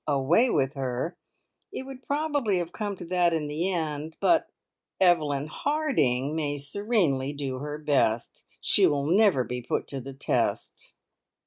a "way with her," it would probably have come to that in the end. But Evelyn Harding may serenely do her best. She will never be put to the test.